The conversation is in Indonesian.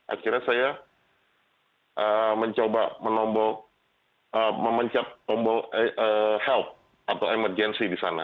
akhirnya saya mencoba menombol memencet tombol help atau emergency di sana